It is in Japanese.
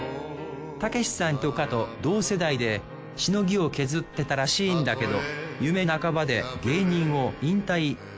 たけしさんとかと同世代でしのぎを削ってたらしいんだけど夢半ばで芸人を引退。